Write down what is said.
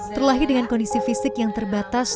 terlahir dengan kondisi fisik yang terbatas